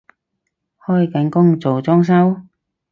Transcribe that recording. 開緊工做裝修？